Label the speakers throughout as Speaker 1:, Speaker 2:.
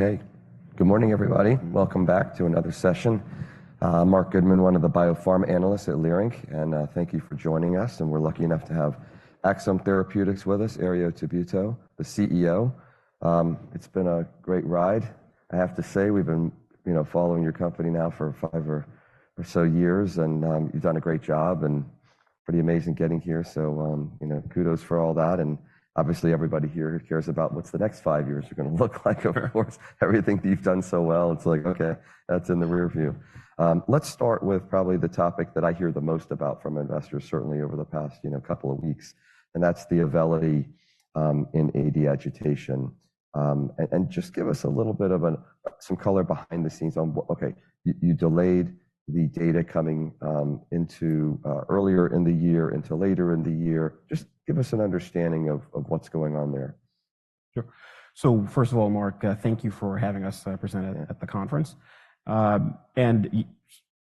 Speaker 1: Okay. Good morning, everybody. Welcome back to another session. Marc Goodman, one of the biopharm analysts at Leerink, and, thank you for joining us. We're lucky enough to have Axsome Therapeutics with us, Herriot Tabuteau, the CEO. It's been a great ride. I have to say, we've been, you know, following your company now for five or, or so years, and, you've done a great job and pretty amazing getting here. So, you know, kudos for all that. Obviously, everybody here who cares about what's the next five years are gonna look like over everything that you've done so well, it's like, okay, that's in the rearview. Let's start with probably the topic that I hear the most about from investors, certainly over the past, you know, couple of weeks, and that's the Auvelity, in AD agitation. Just give us a little bit of some color behind the scenes on what. Okay, you delayed the data coming into earlier in the year into later in the year. Just give us an understanding of what's going on there.
Speaker 2: Sure. So first of all, Marc, thank you for having us present at the conference.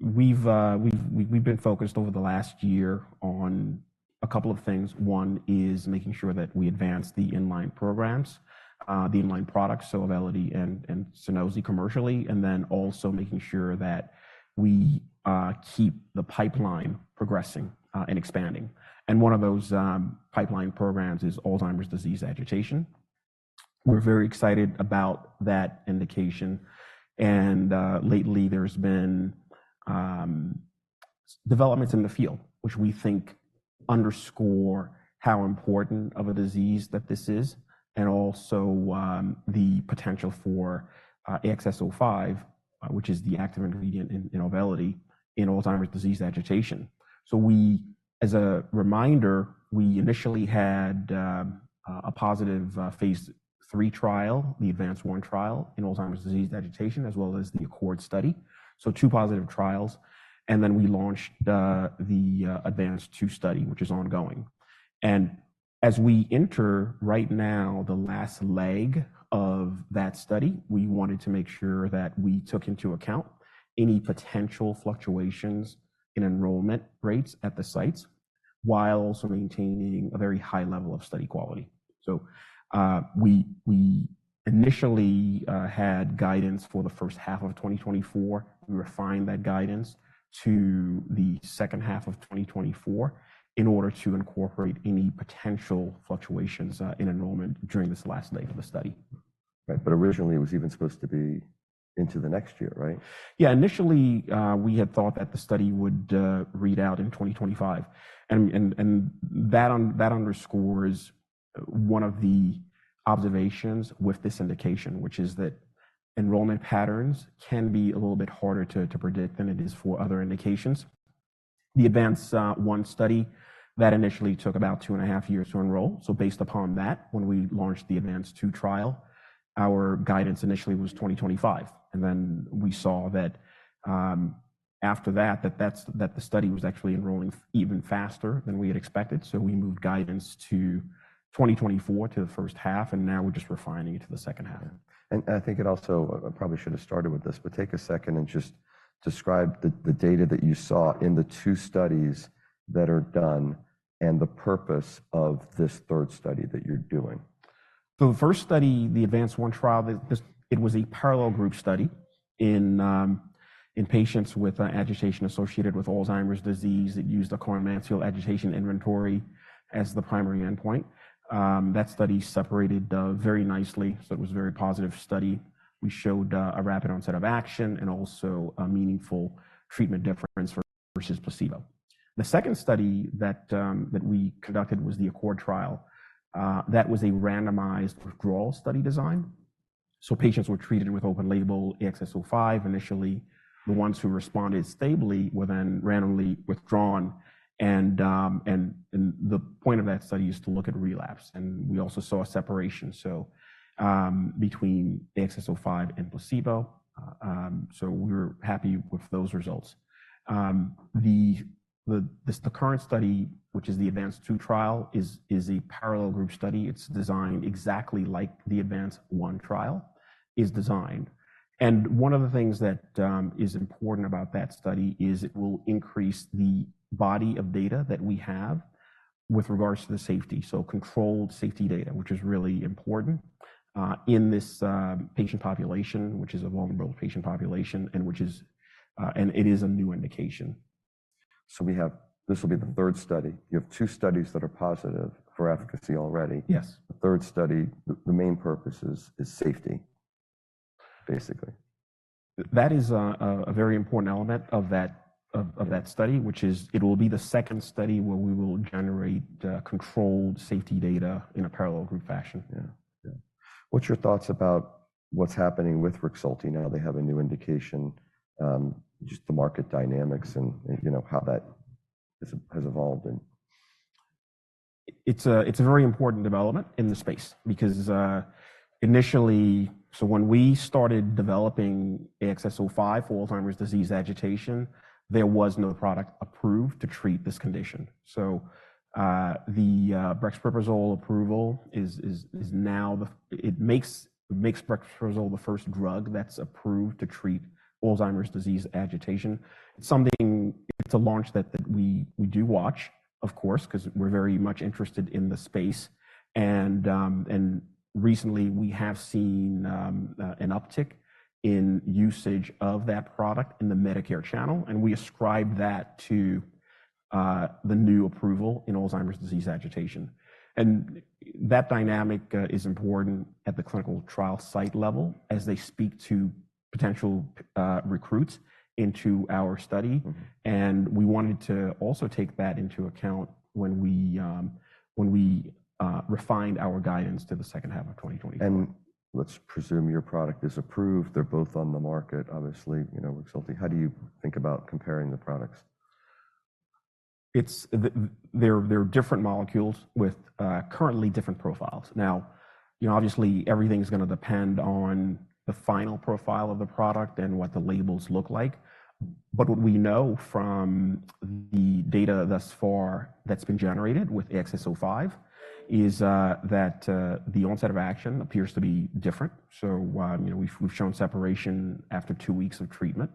Speaker 2: We've been focused over the last year on a couple of things. One is making sure that we advance the inline programs, the inline products, so Auvelity and Sunosi commercially, and then also making sure that we keep the pipeline progressing and expanding. One of those pipeline programs is Alzheimer's disease agitation. We're very excited about that indication. Lately, there's been developments in the field, which we think underscore how important of a disease this is and also the potential for AXS-05, which is the active ingredient in Auvelity in Alzheimer's disease agitation. So as a reminder, we initially had a positive phase 3 trial, the ADVANCE-1 trial in Alzheimer's disease agitation, as well as the ACCORD study, so two positive trials. We launched the ADVANCE-2 study, which is ongoing. As we enter right now the last leg of that study, we wanted to make sure that we took into account any potential fluctuations in enrollment rates at the sites while also maintaining a very high level of study quality. We initially had guidance for the first half of 2024. We refined that guidance to the second half of 2024 in order to incorporate any potential fluctuations in enrollment during this last leg of the study.
Speaker 1: Right. But originally, it was even supposed to be into the next year, right?
Speaker 2: Yeah. Initially, we had thought that the study would read out in 2025. And that underscores one of the observations with this indication, which is that enrollment patterns can be a little bit harder to predict than it is for other indications. The ADVANCE-1 study that initially took about two and a half years to enroll. So based upon that, when we launched the ADVANCE-2 trial, our guidance initially was 2025. And then we saw that after that the study was actually enrolling even faster than we had expected. So we moved guidance to 2024 to the first half, and now we're just refining it to the second half.
Speaker 1: I think it also I probably should have started with this, but take a second and just describe the data that you saw in the two studies that are done and the purpose of this third study that you're doing.
Speaker 2: So the first study, the ADVANCE-1 trial, it was a parallel group study in patients with agitation associated with Alzheimer's disease that used the Cohen-Mansfield Agitation Inventory as the primary endpoint. That study separated very nicely. So it was a very positive study. We showed a rapid onset of action and also meaningful treatment difference versus placebo. The second study that we conducted was the ACCORD trial. That was a randomized withdrawal study design. So patients were treated with open-label AXS-05 initially. The ones who responded stably were then randomly withdrawn. And the point of that study is to look at relapse. And we also saw a separation so between AXS-05 and placebo. So we were happy with those results. The current study, which is the ADVANCE-2 trial, is a parallel group study. It's designed exactly like the ADVANCE-1 trial is designed. One of the things that is important about that study is it will increase the body of data that we have with regards to the safety, so controlled safety data, which is really important in this patient population, which is a vulnerable patient population, and it is a new indication.
Speaker 1: So we have this will be the third study. You have two studies that are positive for efficacy already.
Speaker 2: Yes.
Speaker 1: The third study, the main purpose is safety, basically.
Speaker 2: That is, a very important element of that study, which is it will be the second study where we will generate controlled safety data in a parallel group fashion.
Speaker 1: Yeah. Yeah. What's your thoughts about what's happening with Rexulti now? They have a new indication. Just the market dynamics and, you know, how that has evolved and.
Speaker 2: It's a very important development in the space because initially, so when we started developing AXS-05 for Alzheimer's disease agitation, there was no product approved to treat this condition. So, the brexpiprazole approval is now the it makes brexpiprazole the first drug that's approved to treat Alzheimer's disease agitation. It's something it's a launch that we do watch, of course, 'cause we're very much interested in the space. And recently, we have seen an uptick in usage of that product in the Medicare channel. And we ascribe that to the new approval in Alzheimer's disease agitation. And that dynamic is important at the clinical trial site level as they speak to potential recruits into our study. And we wanted to also take that into account when we refined our guidance to the second half of 2024.
Speaker 1: Let's presume your product is approved. They're both on the market, obviously, you know, Rexulti. How do you think about comparing the products?
Speaker 2: There're different molecules with currently different profiles. Now, you know, obviously, everything's gonna depend on the final profile of the product and what the labels look like. But what we know from the data thus far that's been generated with AXS-05 is that the onset of action appears to be different. So, you know, we've shown separation after two weeks of treatment,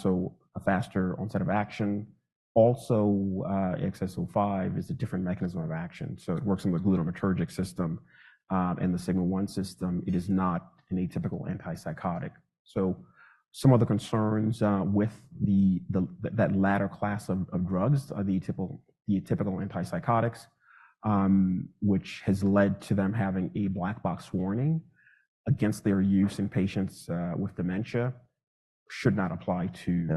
Speaker 2: so a faster onset of action. Also, AXS-05 is a different mechanism of action. So it works on the glutamatergic system, and the sigma-1 system. It is not an atypical antipsychotic. So some of the concerns with the latter class of drugs, the atypical antipsychotics, which has led to them having a black box warning against their use in patients with dementia should not apply to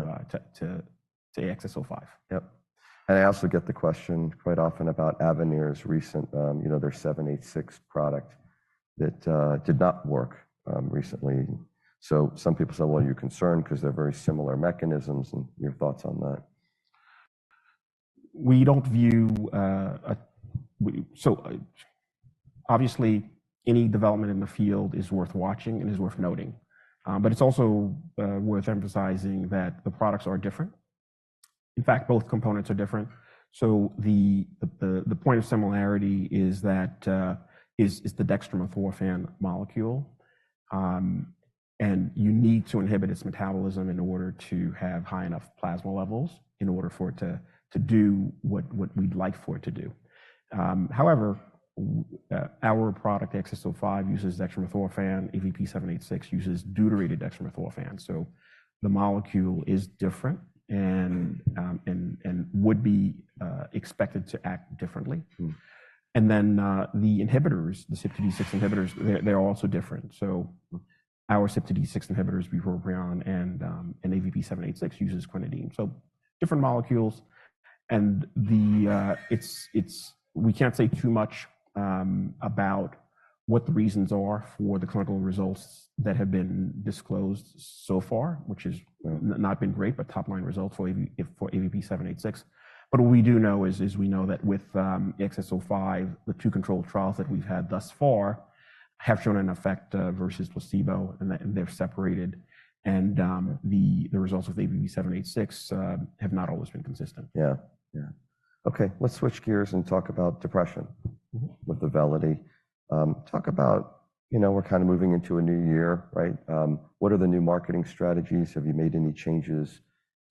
Speaker 2: AXS-05.
Speaker 1: Yep. And I also get the question quite often about Avanir's recent, you know, their 786 product that did not work recently. So some people say, "Well, are you concerned 'cause they're very similar mechanisms?" And your thoughts on that?
Speaker 2: We don't view, obviously, any development in the field is worth watching and is worth noting. But it's also worth emphasizing that the products are different. In fact, both components are different. So the point of similarity is that is the dextromethorphan molecule. And you need to inhibit its metabolism in order to have high enough plasma levels in order for it to do what we'd like for it to do. However, our product, AXS-05, uses dextromethorphan. AVP-786 uses deuterated dextromethorphan. So the molecule is different and would be expected to act differently. And then, the inhibitors, the CYP2D6 inhibitors, they're also different. So our CYP2D6 inhibitors, bupropion, and AVP-786 uses quinidine. So different molecules. And it's we can't say too much about what the reasons are for the clinical results that have been disclosed so far, which has not been great, but top-line results for AVP-786. But what we do know is we know that with AXS-05, the two controlled trials that we've had thus far have shown an effect versus placebo, and that they're separated. And the results with AVP-786 have not always been consistent.
Speaker 1: Yeah. Yeah. Okay. Let's switch gears and talk about depression with Auvelity. Talk about you know, we're kinda moving into a new year, right? What are the new marketing strategies? Have you made any changes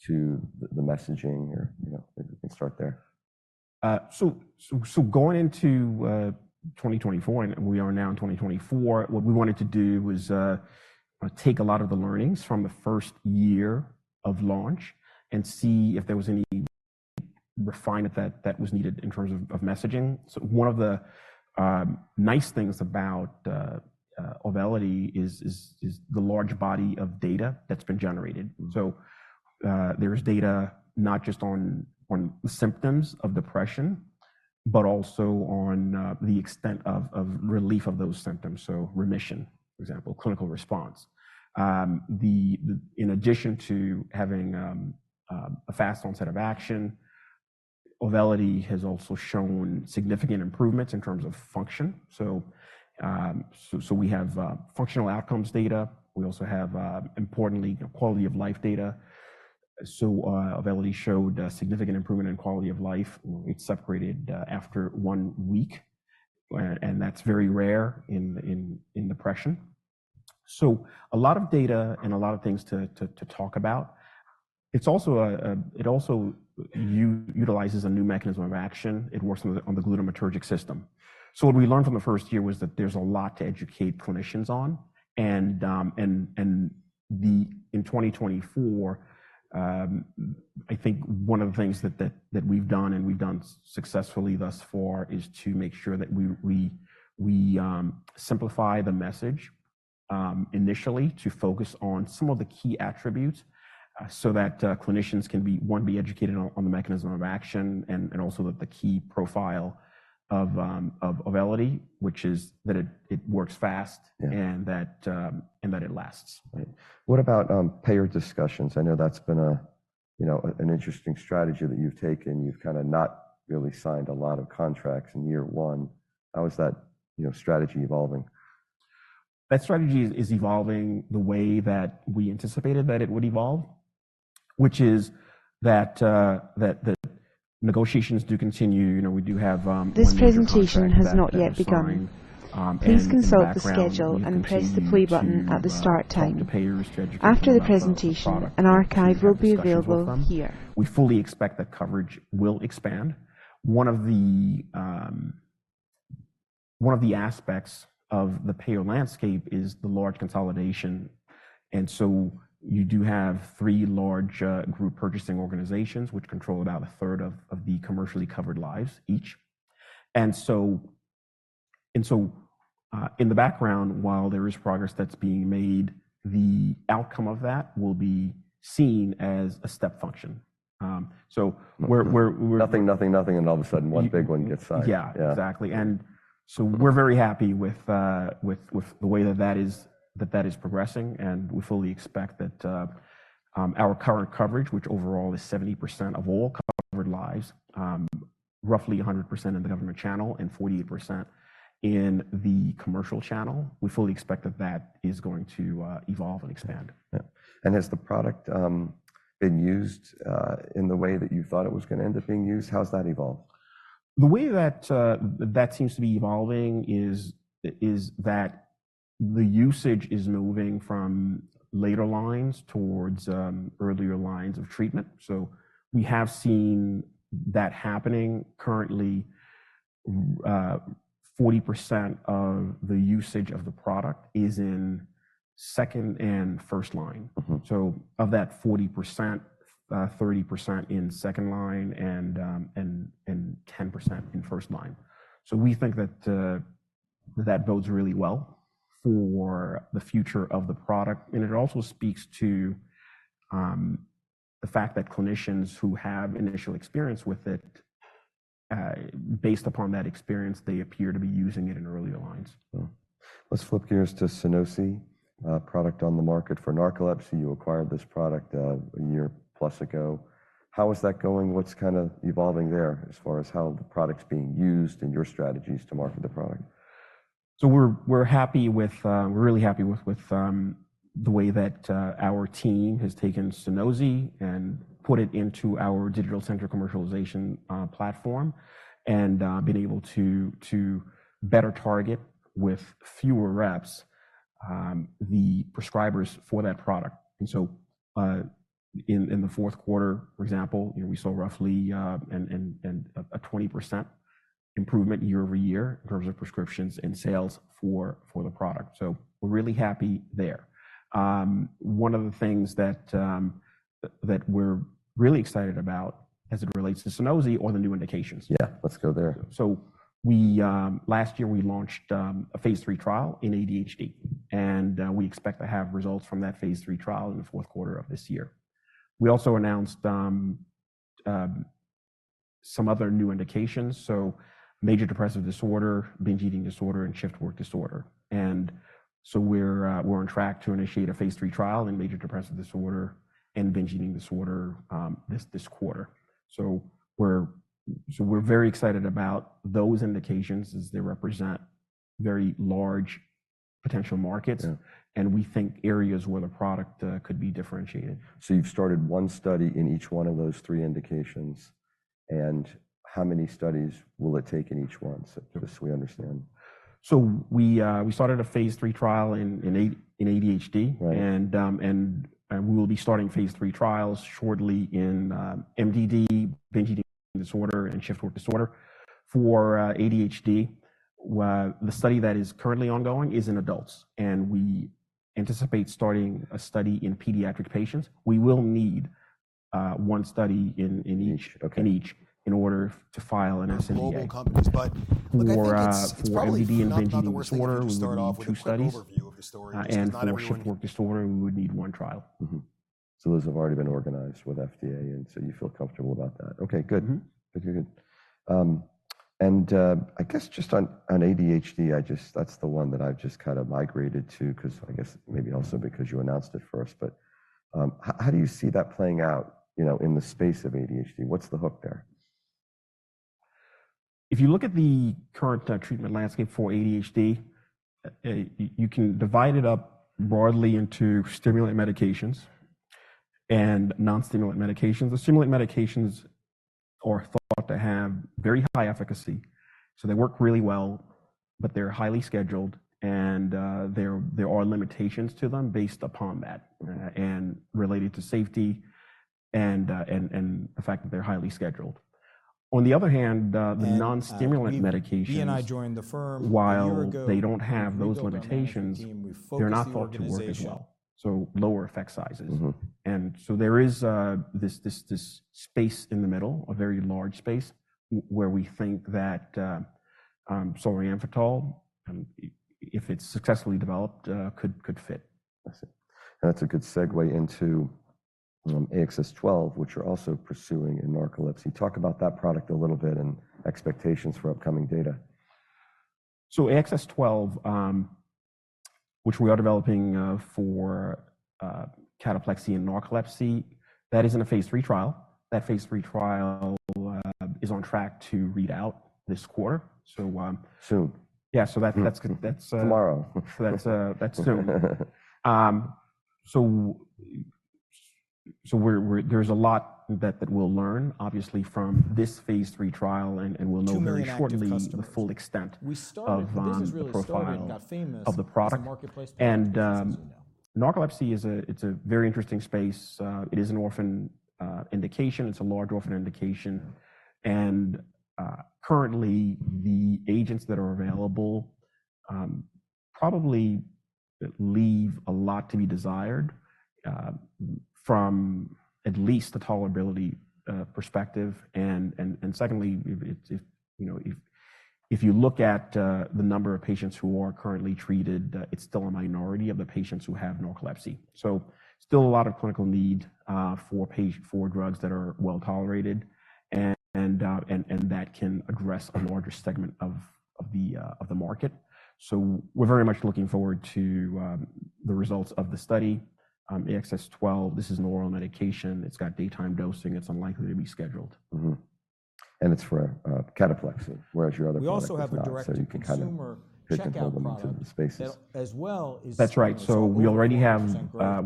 Speaker 1: to the, the messaging or, you know, maybe we can start there.
Speaker 2: So going into 2024 and we are now in 2024, what we wanted to do was take a lot of the learnings from the first year of launch and see if there was any refining that was needed in terms of messaging. So one of the nice things about Auvelity is the large body of data that's been generated. So there's data not just on the symptoms of depression but also on the extent of relief of those symptoms, so remission, for example, clinical response. In addition to having a fast onset of action, Auvelity has also shown significant improvements in terms of function. So we have functional outcomes data. We also have, importantly, you know, quality of life data. So Auvelity showed significant improvement in quality of life. It separated after one week. And that's very rare in depression. So a lot of data and a lot of things to talk about. It's also a it also utilizes a new mechanism of action. It works on the glutamatergic system. So what we learned from the first year was that there's a lot to educate clinicians on. And in 2024, I think one of the things that we've done and we've done successfully thus far is to make sure that we simplify the message, initially to focus on some of the key attributes, so that clinicians can be educated on the mechanism of action and also that the key profile of Auvelity, which is that it works fast and that it lasts.
Speaker 1: Right. What about payer discussions? I know that's been a, you know, an interesting strategy that you've taken. You've kinda not really signed a lot of contracts in year one. How is that, you know, strategy evolving?
Speaker 2: That strategy is evolving the way that we anticipated that it would evolve, which is that negotiations do continue. You know, we do have, one.
Speaker 3: This presentation has not yet begun. Please consult the schedule and press the play button at the start time. After the presentation, an archive will be available here.
Speaker 2: We fully expect that coverage will expand. One of the aspects of the payer landscape is the large consolidation. And so you do have three large group purchasing organizations, which control about a third of the commercially covered lives each. And so, in the background, while there is progress that's being made, the outcome of that will be seen as a step function. So we're.
Speaker 1: Nothing, nothing, nothing, and all of a sudden, one big one gets signed.
Speaker 2: Yeah. Yeah. Exactly. And so we're very happy with the way that it is progressing. And we fully expect that our current coverage, which overall is 70% of all covered lives, roughly 100% in the government channel and 48% in the commercial channel, is going to evolve and expand.
Speaker 1: Yeah. And has the product been used in the way that you thought it was gonna end up being used? How's that evolved?
Speaker 2: The way that seems to be evolving is that the usage is moving from later lines towards earlier lines of treatment. So we have seen that happening. Currently, 40% of the usage of the product is in second and first line. So of that 40%, 30% in second line and 10% in first line. So we think that bodes really well for the future of the product. And it also speaks to the fact that clinicians who have initial experience with it, based upon that experience, they appear to be using it in earlier lines.
Speaker 1: Yeah. Let's flip gears to Sunosi, product on the market for narcolepsy. You acquired this product, a year plus ago. How is that going? What's kinda evolving there as far as how the product's being used and your strategies to market the product?
Speaker 2: So we're really happy with the way that our team has taken Sunosi and put it into our digital-centric commercialization platform and been able to better target with fewer reps the prescribers for that product. And so, in the fourth quarter, for example, you know, we saw roughly a 20% improvement year-over-year in terms of prescriptions and sales for the product. So we're really happy there. One of the things that we're really excited about as it relates to Sunosi or the new indications.
Speaker 1: Yeah. Let's go there.
Speaker 2: So we last year we launched a phase three trial in ADHD. And we expect to have results from that phase three trial in the fourth quarter of this year. We also announced some other new indications, so major depressive disorder, binge eating disorder, and shift work disorder. And so we're on track to initiate a phase three trial in major depressive disorder and binge eating disorder this quarter. So we're very excited about those indications as they represent very large potential markets. And we think areas where the product could be differentiated.
Speaker 1: You've started one study in each one of those three indications. How many studies will it take in each one, so just so we understand?
Speaker 2: So we started a phase three trial in ADHD. And we will be starting phase three trials shortly in MDD, binge eating disorder, and shift work disorder. For ADHD, the study that is currently ongoing is in adults. And we anticipate starting a study in pediatric patients. We will need one study in each in order to file an sNDA.
Speaker 4: For global companies. But look at the, for MDD and binge eating disorder, we would need two studies. For shift work disorder, we would need one trial.
Speaker 1: Mm-hmm. So those have already been organized with FDA, and so you feel comfortable about that. Okay. Good. Good, good, good. I guess just on, on ADHD, I just, that's the one that I've just kinda migrated to 'cause I guess maybe also because you announced it first. But, how do you see that playing out, you know, in the space of ADHD? What's the hook there?
Speaker 2: If you look at the current treatment landscape for ADHD, you can divide it up broadly into stimulant medications and non-stimulant medications. The stimulant medications are thought to have very high efficacy. So they work really well, but they're highly scheduled. And there are limitations to them based upon that, and related to safety and the fact that they're highly scheduled. On the other hand, the non-stimulant medications.
Speaker 4: You and I joined the firm a year ago.
Speaker 2: While they don't have those limitations, they're not thought to work as well. So lower effect sizes. And so there is this space in the middle, a very large space, where we think that solriamfetol, if it's successfully developed, could fit.
Speaker 1: I see. And that's a good segue into AXS-12, which you're also pursuing in narcolepsy. Talk about that product a little bit and expectations for upcoming data.
Speaker 2: So, AXS-12, which we are developing for cataplexy and narcolepsy, is in a phase three trial. That phase three trial is on track to read out this quarter. So,
Speaker 1: Soon.
Speaker 2: Yeah. So that's,
Speaker 1: Tomorrow.
Speaker 2: So that's soon. So we're, there's a lot that we'll learn, obviously, from this phase three trial. And we'll know very shortly the full extent of the profile of the product. And narcolepsy is—it's a very interesting space. It is an orphan indication. It's a large orphan indication. And currently, the agents that are available probably leave a lot to be desired, from at least the tolerability perspective. And secondly, if you know, if you look at the number of patients who are currently treated, it's still a minority of the patients who have narcolepsy. So still a lot of clinical need for drugs that are well tolerated. And that can address a larger segment of the market. So we're very much looking forward to the results of the study. AXS-12, this is an oral medication. It's got daytime dosing. It's unlikely to be scheduled.
Speaker 1: Mm-hmm. And it's for Cataplexy, whereas your other products are so you can kinda check those into the spaces.
Speaker 2: That's right. So we already have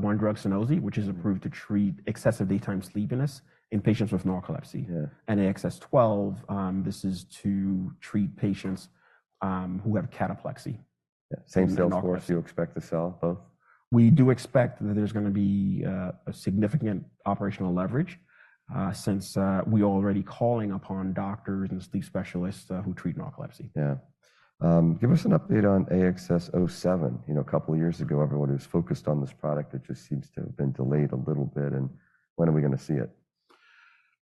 Speaker 2: one drug, Sunosi, which is approved to treat excessive daytime sleepiness in patients with narcolepsy. And AXS-12, this is to treat patients who have cataplexy.
Speaker 1: Yeah. Same sales force you expect to sell both?
Speaker 2: We do expect that there's gonna be a significant operational leverage, since we are already calling upon doctors and sleep specialists who treat narcolepsy.
Speaker 1: Yeah. Give us an update on AXS-07. You know, a couple of years ago, everyone was focused on this product. It just seems to have been delayed a little bit. And when are we gonna see it?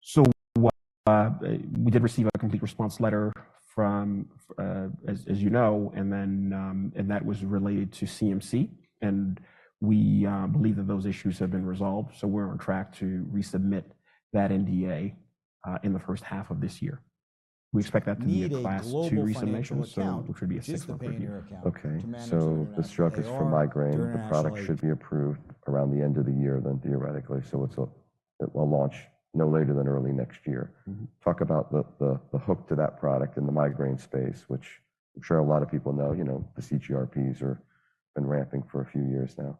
Speaker 2: So we did receive a complete response letter from FDA, as you know. And that was related to CMC. And we believe that those issues have been resolved. So we're on track to resubmit that NDA in the first half of this year. We expect that to be a Class 2 resubmission, so which would be a six-month review.
Speaker 1: Okay. So this drug is for migraine. The product should be approved around the end of the year then, theoretically. So it will launch no later than early next year. Talk about the hook to that product in the migraine space, which I'm sure a lot of people know. You know, the CGRPs are been ramping for a few years now.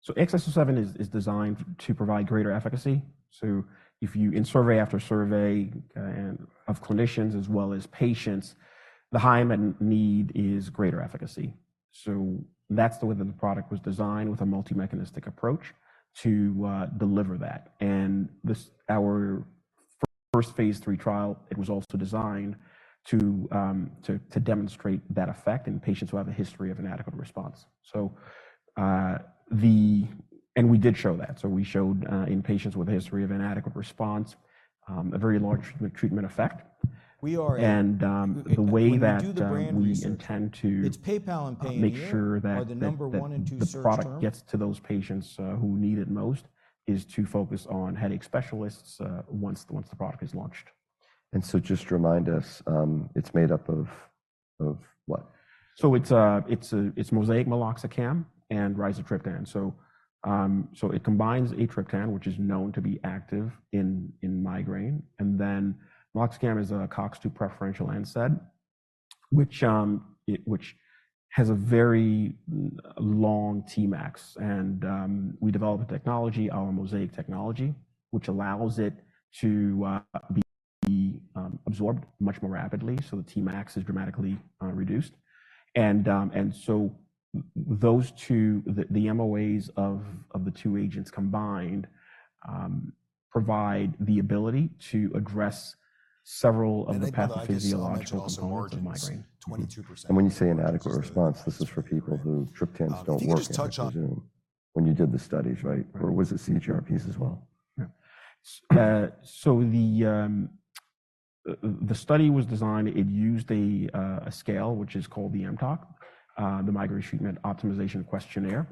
Speaker 2: So AXS-07 is designed to provide greater efficacy. So if you in survey after survey, and of clinicians as well as patients, the high immediate need is greater efficacy. So that's the way that the product was designed, with a multi-mechanistic approach to deliver that. And this, our first phase 3 trial, it was also designed to demonstrate that effect in patients who have a history of inadequate response. So, and we did show that. So we showed, in patients with a history of inadequate response, a very large treatment effect.
Speaker 4: We are.
Speaker 2: The way that we intend to.
Speaker 4: It's garbled/omit.
Speaker 2: Make sure that the product gets to those patients who need it most is to focus on headache specialists, once the product is launched.
Speaker 1: And so just remind us, it's made up of, of what?
Speaker 2: So it's MoSEIC meloxicam and rizatriptan. So it combines a triptan, which is known to be active in migraine. And then Mmeloxicam is a COX-2 preferential NSAID, which has a very long TMAX. And we developed a technology, our MoSEIC technology, which allows it to be absorbed much more rapidly. So the TMAX is dramatically reduced. And so those two, the MOAs of the two agents combined, provide the ability to address several of the pathophysiological components of migraine.
Speaker 1: When you say inadequate response, this is for people who triptans don't work, I presume, when you did the studies, right? Or was it CGRPs as well?
Speaker 2: Yeah. So the study was designed. It used a scale, which is called the mTOQ, the Migraine Treatment Optimization Questionnaire.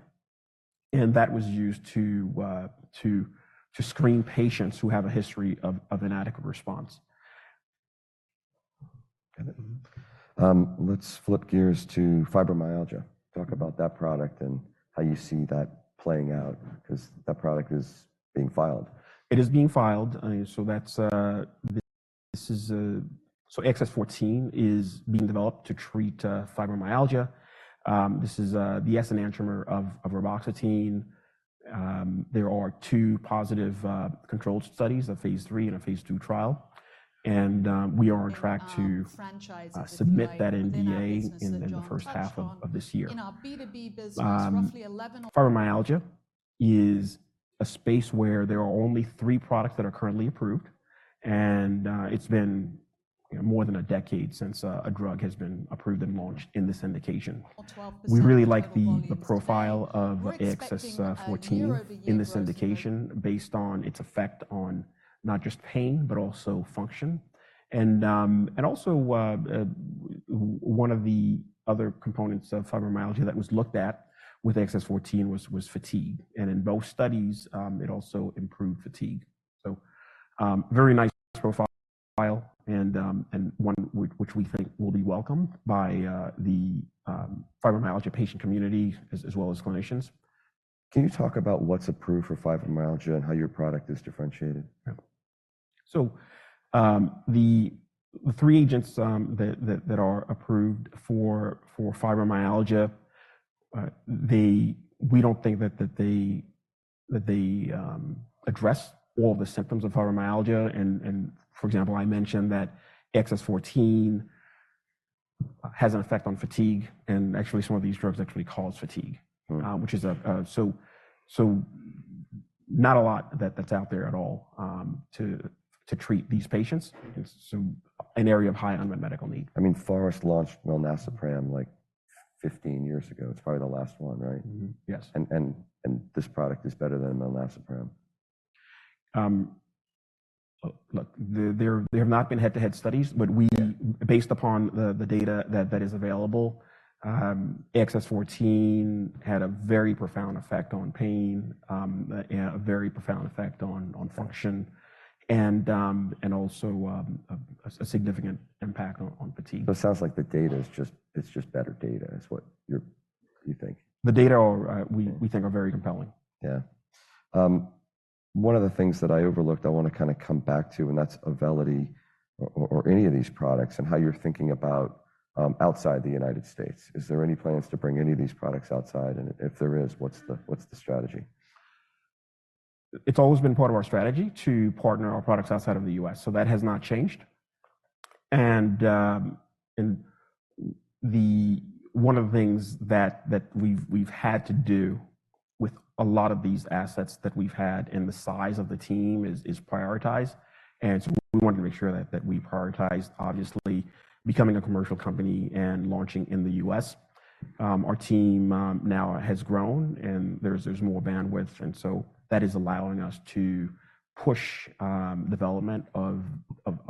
Speaker 2: And that was used to screen patients who have a history of inadequate response.
Speaker 1: Got it. Let's flip gears to fibromyalgia. Talk about that product and how you see that playing out 'cause that product is being filed.
Speaker 2: It is being filed. So that's, this is, so AXS-14 is being developed to treat fibromyalgia. This is the S-enantiomer of reboxetine. There are two positive, controlled studies, a phase three and a phase two trial. We are on track to submit that NDA in the first half of this year.
Speaker 4: In our uncertain business, roughly 11.
Speaker 2: Fibromyalgia is a space where there are only three products that are currently approved. And it's been, you know, more than a decade since a drug has been approved and launched in this indication. We really like the profile of AXS-14 in this indication based on its effect on not just pain but also function. And also, one of the other components of fibromyalgia that was looked at with AXS-14 was fatigue. And in both studies, it also improved fatigue. So, very nice profile. And one which we think will be welcomed by the fibromyalgia patient community as well as clinicians.
Speaker 1: Can you talk about what's approved for fibromyalgia and how your product is differentiated?
Speaker 2: Yeah. So, the three agents that are approved for fibromyalgia, we don't think that they address all the symptoms of fibromyalgia. And, for example, I mentioned that AXS-14 has an effect on fatigue. And actually, some of these drugs actually cause fatigue, which is a so not a lot that's out there at all, to treat these patients. And so an area of high unmet medical need.
Speaker 1: I mean, Forest launched melnazepram, like, 15 years ago. It's probably the last one, right?
Speaker 2: Mm-hmm. Yes.
Speaker 1: This product is better than milnacipran?
Speaker 2: Look, there have not been head-to-head studies. But we, based upon the data that is available, AXS-14 had a very profound effect on pain, yeah, a very profound effect on function. And also, a significant impact on fatigue.
Speaker 1: So it sounds like the data is just better data, is what you think?
Speaker 2: The data are, we think are very compelling.
Speaker 1: Yeah. One of the things that I overlooked, I wanna kinda come back to, and that's Auvelity or, or any of these products and how you're thinking about, outside the United States. Is there any plans to bring any of these products outside? And if there is, what's the what's the strategy?
Speaker 2: It's always been part of our strategy to partner our products outside of the US. So that has not changed. And the one of the things that we've had to do with a lot of these assets that we've had and the size of the team is prioritize. And so we wanted to make sure that we prioritized, obviously, becoming a commercial company and launching in the US. Our team now has grown. And there's more bandwidth. And so that is allowing us to push development of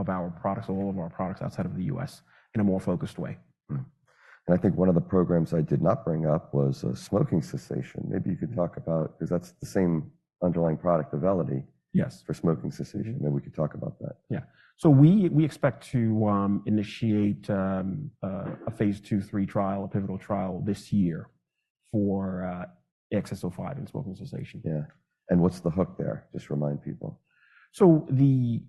Speaker 2: our products, all of our products outside of the US in a more focused way.
Speaker 1: Mm-hmm. And I think one of the programs I did not bring up was smoking cessation. Maybe you could talk about 'cause that's the same underlying product, Auvelity.
Speaker 2: Yes.
Speaker 1: For smoking cessation. Maybe we could talk about that.
Speaker 2: Yeah. So we expect to initiate a phase 2/3 trial, a pivotal trial this year for AXS-05 and smoking cessation.
Speaker 1: Yeah. What's the hook there? Just remind people.
Speaker 2: So the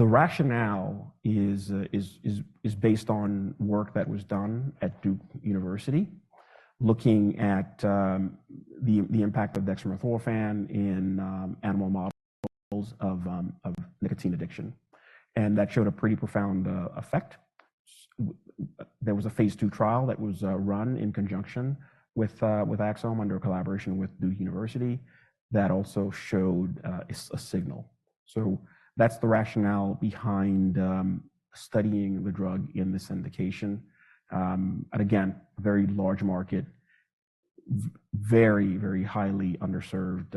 Speaker 2: rationale is based on work that was done at Duke University looking at the impact of dextromethorphan in animal models of nicotine addiction. And that showed a pretty profound effect. So there was a phase two trial that was run in conjunction with Axsome under a collaboration with Duke University that also showed a signal. So that's the rationale behind studying the drug in this indication. And again, very large market, very, very highly underserved,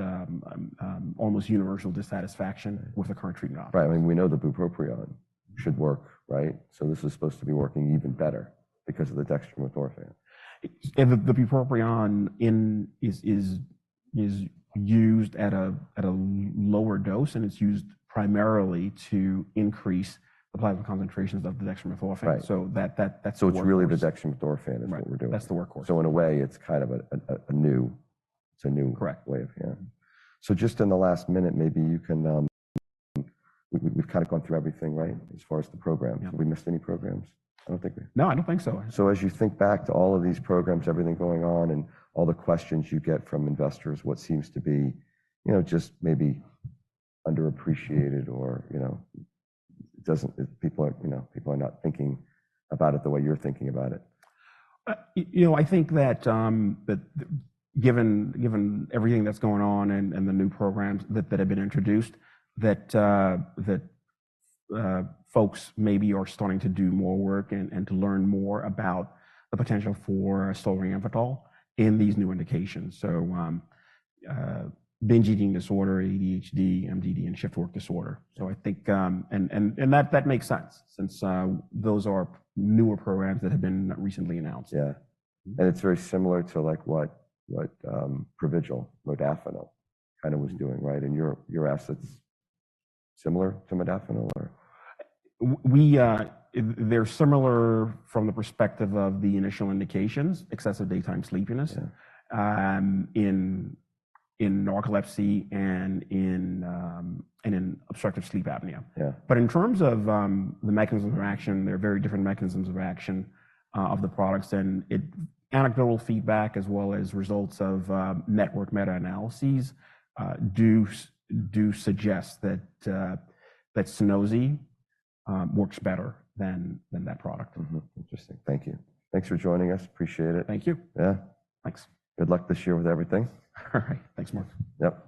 Speaker 2: almost universal dissatisfaction with the current treatment options.
Speaker 1: Right. I mean, we know the bupropion should work, right? So this is supposed to be working even better because of the dextromethorphan.
Speaker 2: It, the bupropion in, is used at a lower dose. And it's used primarily to increase the plasma concentrations of the dextromethorphan.
Speaker 1: Right.
Speaker 2: So that's the work.
Speaker 1: It's really the dextromethorphan is what we're doing.
Speaker 2: Right. That's the workforce.
Speaker 1: So in a way, it's kind of a new. It's a new.
Speaker 2: Correct.
Speaker 1: Way off, yeah. So just in the last minute, maybe you can, we've kinda gone through everything, right, as far as the programs. Have we missed any programs? I don't think we.
Speaker 2: No, I don't think so.
Speaker 1: So, as you think back to all of these programs, everything going on, and all the questions you get from investors, what seems to be, you know, just maybe underappreciated or, you know, it doesn't it people aren't you know, people are not thinking about it the way you're thinking about it?
Speaker 2: You know, I think that, given everything that's going on and the new programs that have been introduced, that folks maybe are starting to do more work and to learn more about the potential for solriamfetol in these new indications. So, binge eating disorder, ADHD, MDD, and shift work disorder. So I think, and that makes sense since those are newer programs that have been recently announced.
Speaker 1: Yeah. It's very similar to, like, what, what, Provigil, modafinil, kinda was doing, right? You're, your assets similar to modafinil, or?
Speaker 2: They're similar from the perspective of the initial indications, excessive daytime sleepiness, in narcolepsy and in obstructive sleep apnea.
Speaker 1: Yeah.
Speaker 2: But in terms of the mechanism of action, they're very different mechanisms of action of the products. And the anecdotal feedback as well as results of network meta-analyses does suggest that Sunosi works better than that product.
Speaker 1: Mm-hmm. Interesting. Thank you. Thanks for joining us. Appreciate it.
Speaker 2: Thank you.
Speaker 1: Yeah.
Speaker 2: Thanks.
Speaker 1: Good luck this year with everything.
Speaker 2: All right. Thanks, Marc.
Speaker 1: Yep.